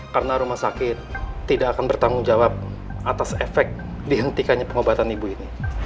karena rumah sakit tidak akan bertanggung jawab atas efek dihentikannya pengobatan ibu ini